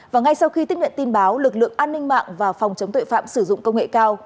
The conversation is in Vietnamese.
và ngay sau khi tiếp nhận tin báo lực lượng an ninh mạng và phòng chống tội phạm sử dụng công nghệ cao